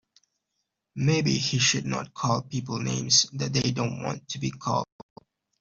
Maybe he should not call people names that they don't want to be called.